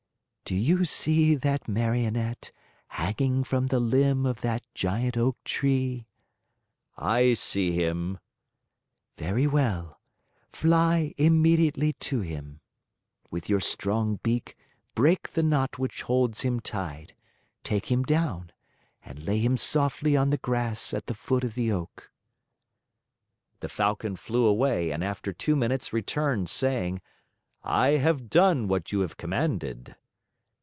"Do you see that Marionette hanging from the limb of that giant oak tree?" "I see him." "Very well. Fly immediately to him. With your strong beak, break the knot which holds him tied, take him down, and lay him softly on the grass at the foot of the oak." The Falcon flew away and after two minutes returned, saying, "I have done what you have commanded."